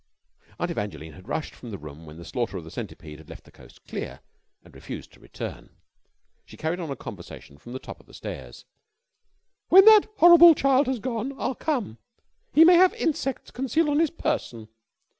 Aunt Evangeline had rushed from the room when the slaughter of the centipede had left the coast clear, and refused to return. She carried on a conversation from the top of the stairs. "When that horrible child has gone, I'll come. He may have insects concealed on his person.